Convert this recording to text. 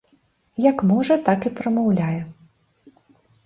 Як можа, так і прамаўляе.